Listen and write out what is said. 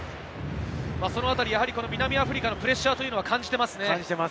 南アフリカのプレッシャーを感じていますね。